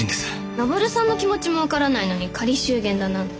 登さんの気持ちも分からないのに仮祝言だなんて。